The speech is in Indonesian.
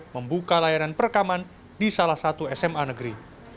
membuka layanan perekaman di salah satu sma negeri